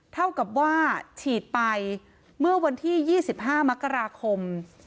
เท่ากับว่าฉีดไปเมื่อวันที่๒๕มกราคม